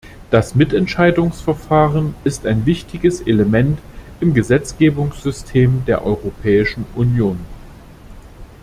Das Mitentscheidungsverfahren ist ein wichtiges Element im Gesetzgebungssystem der Europäischen Union.